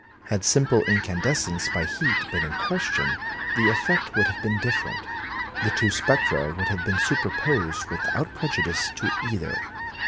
Had simple incandescence by heat been in question, the effect would have been different; the two spectra would have been superposed without prejudice to either.